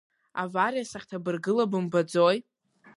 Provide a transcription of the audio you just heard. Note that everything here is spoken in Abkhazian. Авариа сахьҭабыргыла бымбаӡои?